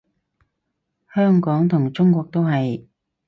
香港同中國都係